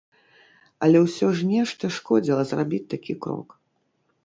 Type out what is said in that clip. Але ўсё ж нешта шкодзіла зрабіць такі крок.